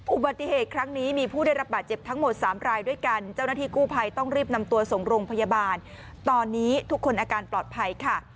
อุบัติเหตุครั้งนี้มีผู้ได้รับบาดเจ็บทั้งหมด๓รายด้วยกันเจ้าหน้าที่กู้ภัยต้องรีบนำตัวส่งโรงพยาบาลตอนนี้ทุกคนอาการปลอดภัยค่ะ